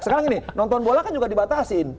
sekarang ini nonton bola kan juga dibatasin